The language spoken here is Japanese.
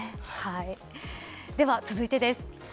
では続いてです。